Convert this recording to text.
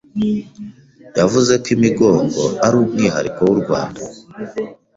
yavuze ko imigongo ari umwihariko w’u Rwanda